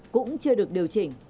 cũng chưa được điều chỉnh